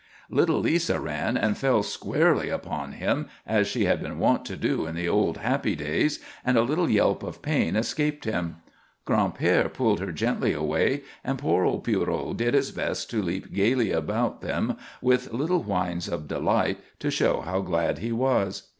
Little Lisa ran and fell squarely upon him, as she had been wont to do in the old, happy days, and a little yelp of pain escaped him. Gran'père pulled her gently away, and poor old Pierrot did his best to leap gayly upon them with little whines of delight, to show how glad he was.